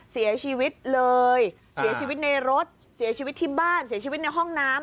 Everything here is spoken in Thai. เสียชีวิตเลยเสียชีวิตในรถเสียชีวิตที่บ้านเสียชีวิตในห้องน้ำ